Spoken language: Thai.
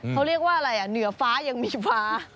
เขาเรียกว่าอะไรอ่ะเหนือฟ้ายังมีฟ้า